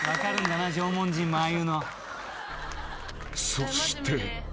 ［そして］